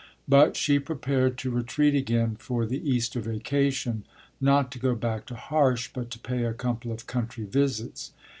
But she prepared to retreat again for the Easter vacation, not to go back to Harsh, but to pay a couple of country visits.